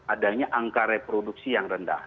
adanya angka reproduksi yang rendah